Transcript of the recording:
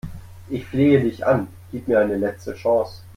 Ich flehe dich an, gib mir eine letzte Chance!